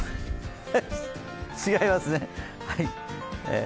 違いますね。